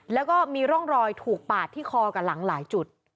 แล้วก็มีร่องรอยถูกปาดที่คอกับหลังหลายจุด